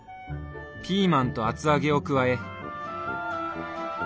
ピーマンと厚揚げを加え。